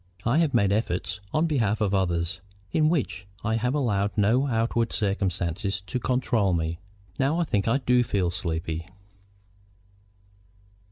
I have made efforts on behalf of others, in which I have allowed no outward circumstances to control me. Now I think I do feel sleepy."